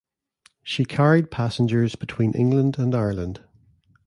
She carried passengers between England and Ireland.